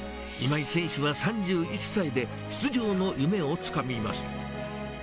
今井選手は３１歳で、出場の夢をつかみます。